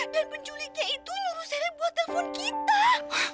dan penculiknya itu nyuruh sheryl buat telepon kita